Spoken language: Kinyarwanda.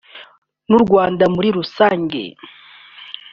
n’u Rwanda muri rusange